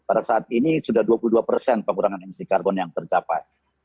pada saat ini sudah dua puluh dua persen pengurangan emisi karbon yang tercapai